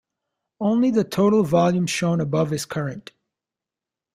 Only the total volume shown above is current.